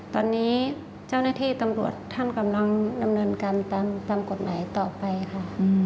ตอนนี้เจ้าหน้าที่ตำรวจท่านกำลังดำเนินการตามกฎหมายต่อไปค่ะ